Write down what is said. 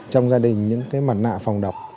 trong gia đình những mặt nạ phòng độc